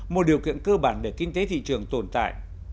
một điều kiện cơ bản để kinh tế thị trường tồn tại